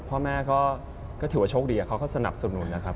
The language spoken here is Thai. พ่อแม่ก็ถือว่าโชคดีเขาก็สนับสนุนนะครับ